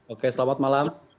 oke selamat malam